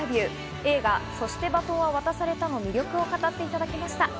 映画『そして、バトンは渡された』の魅力を語っていただきました。